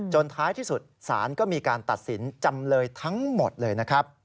ท้ายที่สุดศาลก็มีการตัดสินจำเลยทั้งหมดเลยนะครับ